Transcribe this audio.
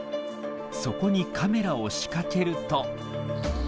そこにカメラを仕掛けると。